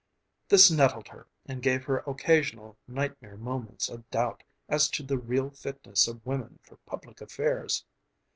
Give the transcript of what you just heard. This nettled her and gave her occasional nightmare moments of doubt as to the real fitness of women for public affairs.